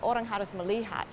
orang harus melihat